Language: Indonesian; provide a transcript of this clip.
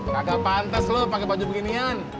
gak pantas lu pakai baju beginian